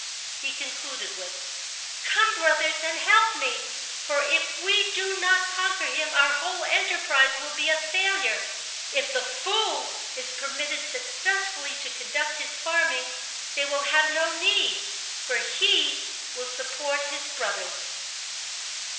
He concluded with: "Come, brothers, and help me, for if we do not conquer him our whole enterprise will be a failure. If the Fool is permitted successfully to conduct his farming, they will have no need, for he will support his brothers."